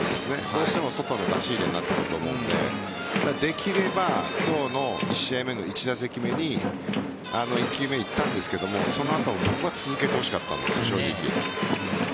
どうしても外の出し入れになってくると思うのでできれば今日の１試合目の１打席目に１球目いったんですがその後、僕は続けてほしかったんです、正直。